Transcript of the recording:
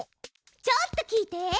ちょっと聞いて。